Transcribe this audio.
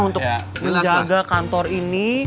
untuk menjaga kantor ini